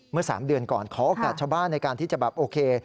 เมื่อ๓เดือนก่อนขอโอกาสชาวบ้านในการที่จะแบบโอเค